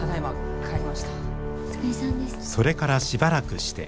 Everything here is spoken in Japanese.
それからしばらくして。